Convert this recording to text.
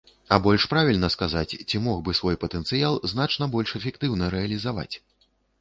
А больш правільна сказаць, ці мог бы свой патэнцыял значна больш эфектыўна рэалізаваць.